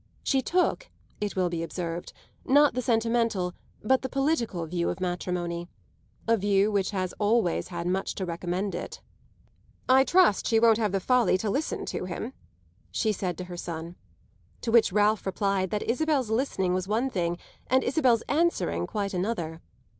She took, it will be observed, not the sentimental, but the political, view of matrimony a view which has always had much to recommend it. "I trust she won't have the folly to listen to him," she said to her son; to which Ralph replied that Isabel's listening was one thing and Isabel's answering quite another.